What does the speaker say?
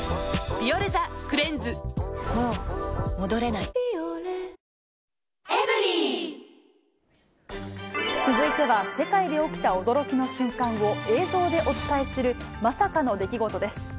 「ビオレ」続いては、世界で起きた驚きの瞬間を映像でお伝えする、まさかの出来事です。